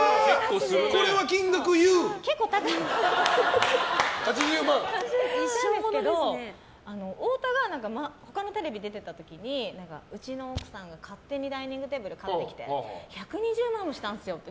ちょっと高いんですけど太田が他のテレビに出てた時にうちの奥さんが勝手にダイニングテーブルを買ってきて１２０万円もしたんすよって。